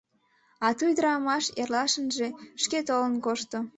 А ту ӱдырамаш эрлашынже шке толын кошто.